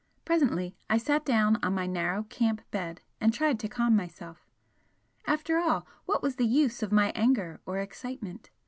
Presently I sat down on my narrow camp bed and tried to calm myself. After all, what was the use of my anger or excitement?